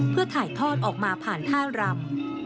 เพื่อถ่ายทอดออกมาผ่านท่ารำ